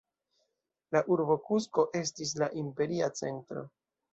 La urbo Kusko estis la imperia centro.